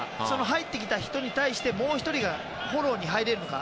入ってきた人に対してもう１人がフォローに入れるのか。